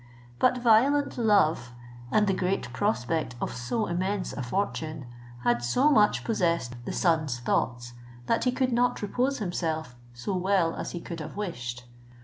But violent love, and the great prospect of so immense a fortune, had so much possessed the son's thoughts, that he could not repose himself so well as he could have wished.